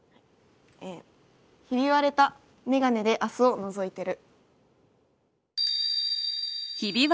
「ひび割れたメガネで明日をのぞいてる」。